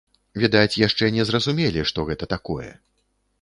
Відаць, яшчэ не зразумелі, што гэта такое.